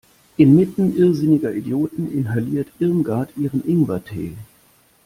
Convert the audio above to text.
Inmitten irrsinniger Idioten inhaliert Irmgard ihren Ingwertee.